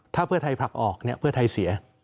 ถ้าเพื่อไทยผลักออกเนี่ยเพื่อไทยเสีย